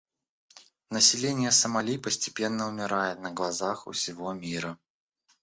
Население Сомали постепенно умирает на глазах у всего мира.